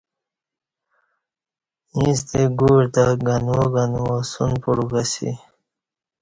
ییستہ گوع تہ گنوا گنوا سن پڑوک اسی